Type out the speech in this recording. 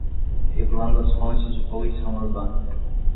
Regulando as fontes de poluição urbana